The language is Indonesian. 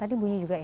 tadi bunyi juga ya